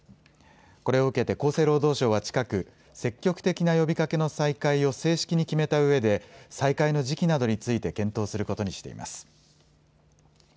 これを受けて厚生労働省は近く、積極的な呼びかけの再開を正式に決めたうえで再開の時期などについて検討することにしています。